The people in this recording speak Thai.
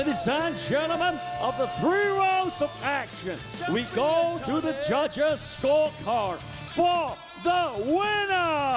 ทุกคนที่อยู่ในรอบ๓รอบเราไปกับการตัดตัดตัดของที่ชักเกิด